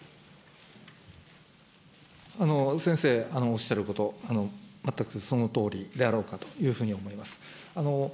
先生、おっしゃること、全くそのとおりであろうかというふうに思います。